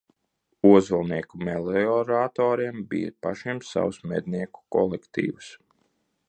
Ozolnieku melioratoriem bija pašiem savs mednieku kolektīvs.